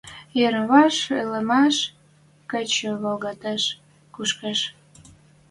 Йӹрӹм-вӓш ӹлӹмӓш кечӹ валгалтеш, кушкеш